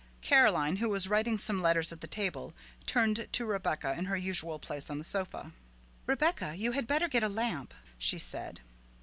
Caroline, who was writing some letters at the table, turned to Rebecca, in her usual place on the sofa. "Rebecca, you had better get a lamp," she said.